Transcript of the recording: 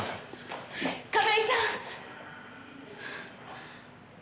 亀井さん！